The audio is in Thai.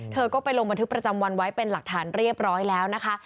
เธอก็ไปลงบันทึกประจำวันไว้เป็นหลักฐานเรียบร้อยแล้วนะคะ